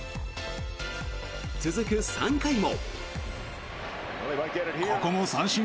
続く３回も。